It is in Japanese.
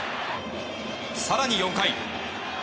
更に４回。